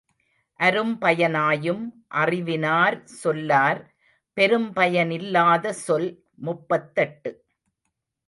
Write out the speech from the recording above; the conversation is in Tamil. அரும்பய னாயும் அறிவினார் சொல்லார் பெரும்பய னில்லாத சொல் முப்பத்தெட்டு.